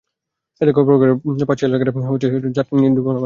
এতে গফরগাঁওয়ের পাতলাশী এলাকা থেকে বরমীগামী ট্রলারটি যাত্রী নিয়ে নদীতে ডুবে যায়।